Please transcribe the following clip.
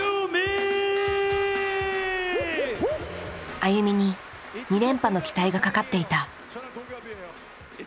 ＡＹＵＭＩに２連覇の期待がかかっていた。